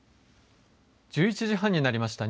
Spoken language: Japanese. １１時半になりました。